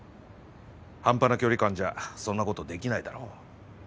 半端な距離感じゃそんなことできないだろ？